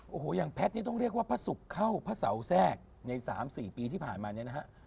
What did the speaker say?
โอ้โหอย่างแพทย์นี่ต้องเรียกว่าพระศุกร์เข้าพระเสาแทรกใน๓๔ปีที่ผ่านมาเนี่ยนะฮะ